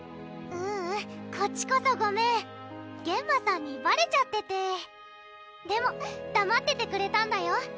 ううんこっちこそごめんゲンマさんにばれちゃっててでもだまっててくれたんだよ